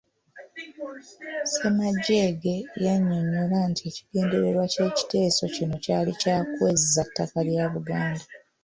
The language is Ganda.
Ssemagyege yannyonnyola nti ekigendererwa ky’ekiteeso kino kyali kya kwezza ttaka lya Buganda.